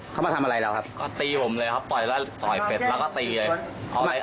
เขามาทำอะไรเราครับก็ตีผมเลยครับต่อยแล้วต่อยเป็ดแล้วก็ตีเลย